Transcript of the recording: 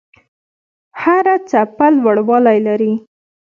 هره څپه لوړوالی لري.